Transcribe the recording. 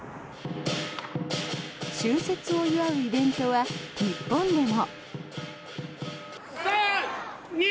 春節を祝うイベントは日本でも。